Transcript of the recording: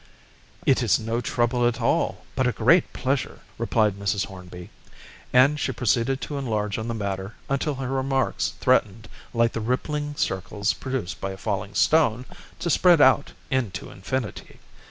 "It is no trouble at all, but a great pleasure," replied Mrs. Hornby; and she proceeded to enlarge on the matter until her remarks threatened, like the rippling circles produced by a falling stone, to spread out into infinity.